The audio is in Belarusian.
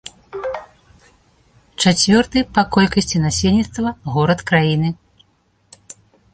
Чацвёрты па колькасці насельніцтва горад краіны.